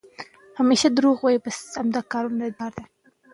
ښوونځې لوستې میندې د ماشومانو د بدن نرموالی څاري.